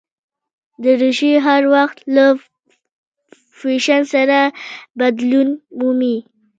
دریشي هر وخت له فېشن سره بدلون مومي.